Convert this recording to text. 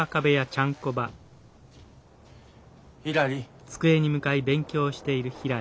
ひらり。